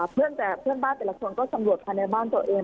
เพื่อนบ้านแต่ละคนก็สำรวจภายในบ้านตัวเอง